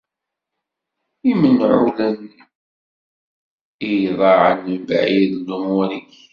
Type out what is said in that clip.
Imenɛulen, i iḍaɛen mebɛid i lumuṛ-ik.